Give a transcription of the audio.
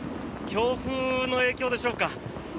強風の影響でしょうか。